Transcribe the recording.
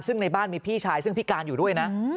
ซึ่งในบ้านมีพี่ชายซึ่งพิการอยู่ด้วยนะ